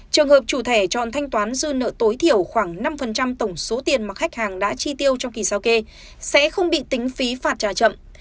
trường hợp chủ thẻ chọn thanh toán dư nợ tối thiểu khoảng năm tổng số tiền mà khách hàng đã chi tiêu trong kỳ sau kê sẽ không bị tính phí phạt trả chậm